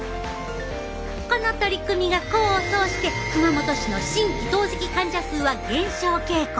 この取り組みが功を奏して熊本市の新規透析患者数は減少傾向。